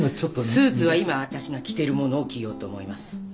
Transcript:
スーツは今私が着てるものを着ようと思います。